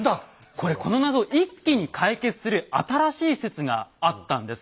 これこのナゾを一気に解決する新しい説があったんです。